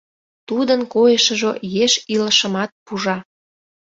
Тудын койышыжо еш илышымат пужа.